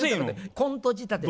コント仕立てで。